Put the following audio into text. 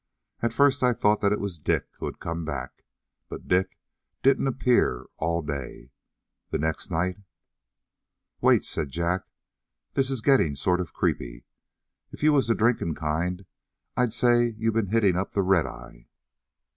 At first I thought that it was Dick, who had come back. But Dick didn't appear all day. The next night " "Wait!" said Jack. "This is gettin' sort of creepy. If you was the drinking kind I'd say you'd been hitting up the red eye."